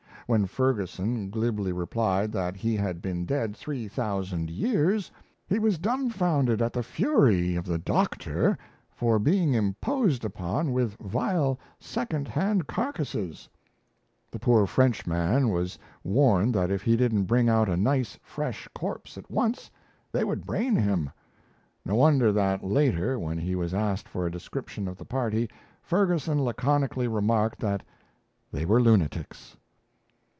When Ferguson glibly replied that he had been dead three thousand years, he was dumbfounded at the fury of the "doctor" for being imposed upon with vile second hand carcases. The poor Frenchman was warned that if he didn't bring out a nice, fresh corpse at once, they would brain him! No wonder that, later, when he was asked for a description of the party, Ferguson laconically remarked that they were lunatics!